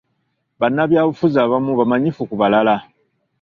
Bannabyabufuzi abamu bamanyifu ku balala.